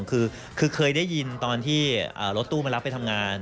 คือเคยได้ยินตอนที่รถตู้มารับไปทำงาน